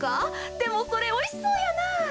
でもそれおいしそうやな。